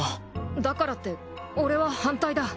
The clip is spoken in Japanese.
だからって俺は反対だ。